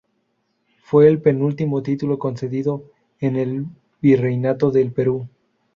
Fue el penúltimo título concedido en el Virreinato del Perú.